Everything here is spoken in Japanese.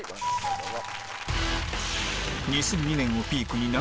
どうぞ。